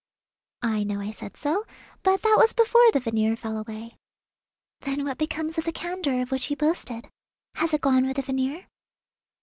"I know I said so; but that was before the veneer fell away." "Then what becomes of the candour of which you boasted? Has it gone with the veneer?"